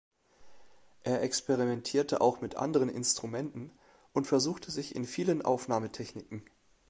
Er experimentierte auch mit anderen Instrumenten und versuchte sich in vielen Aufnahmetechniken.